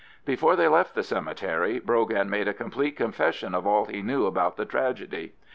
Before they left the cemetery, Brogan made a complete confession of all he knew about the tragedy.